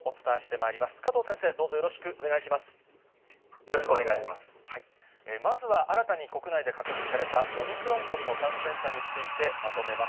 まずは新たに国内で確認されたオミクロン株の感染者について、まとめます。